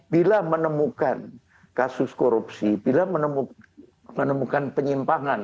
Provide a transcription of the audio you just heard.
bila menemukan kasus korupsi bila menemukan penyimpangan